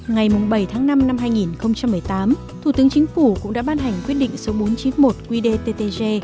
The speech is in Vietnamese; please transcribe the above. ngày bảy tháng năm năm hai nghìn một mươi tám thủ tướng chính phủ cũng đã ban hành quyết định số bốn trăm chín mươi một qdttg